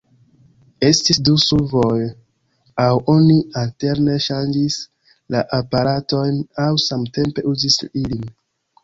Estis du solvoj, aŭ oni alterne ŝanĝis la aparatojn, aŭ samtempe uzis ilin.